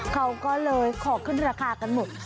เขาก็เลยขอขึ้นราคากันหมด